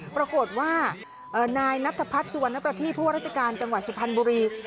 ปรากฏว่านายนัทพัฒน์สุวรรณประทีผู้ว่าราชการจังหวัดสุพรรณบุรี